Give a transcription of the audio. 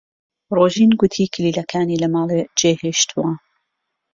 ڕۆژین گوتی کلیلەکانی لە ماڵێ جێهێشتووە.